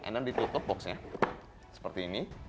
and then ditutup box nya seperti ini